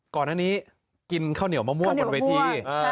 ก่อนอันนี้กินข้าวเหนียวมะม่วงบนเวที